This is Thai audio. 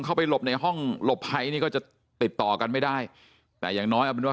เวลาเขายิงกันมันก็จะข้ามไปข้ามมาอยู่อย่างเงี้ยค่ะ